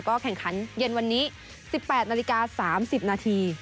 แข่งขันเย็นวันนี้๑๘นาฬิกา๓๐นาที